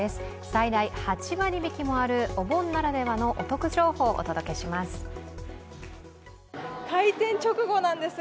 最大８割引もある、お盆ならではのお得情報をお届けします。